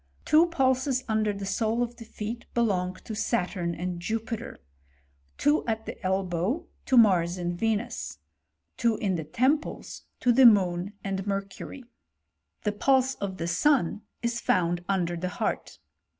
Two pulses under the sole of the feet belong to Saturn and Jupi ter, two at the elbow to Mars and Venus, two in the temples to the moon and mercury. The pulse of the sun is found under the heart.